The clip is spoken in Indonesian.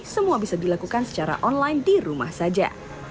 semua bisa dilakukan secara online di rumah saja